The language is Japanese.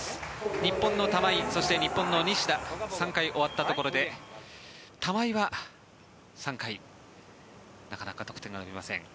日本の玉井、そして日本の西田３回終わったところで玉井は３回でなかなか得点が伸びません。